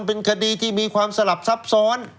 เป็นคดีที่มีความสลับซับซ้อน